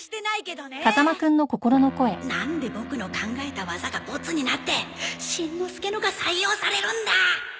なんでボクの考えた技がボツになってしんのすけのが採用されるんだ